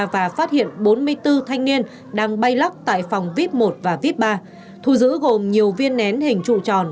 và phát hiện bốn mươi bốn thanh niên đang bay lắc tại phòng vip một và vip ba thu giữ gồm nhiều viên nén hình trụ tròn